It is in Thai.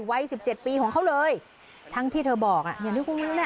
วัยสิบเจ็ดปีของเขาเลยทั้งที่เธอบอกอ่ะอย่างที่คุณรู้น่ะ